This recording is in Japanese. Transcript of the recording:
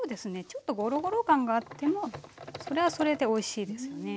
ちょっとゴロゴロ感があってもそれはそれでおいしいですよね。